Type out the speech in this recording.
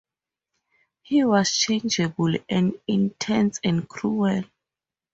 He was changeable, and intense and cruel.